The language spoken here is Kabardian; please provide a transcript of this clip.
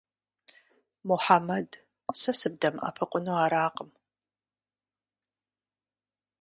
Мухьэмэд, сэ сыбдэмыӀэпыкъуну аракъым.